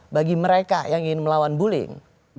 bagi mereka yang ingin melawan bullying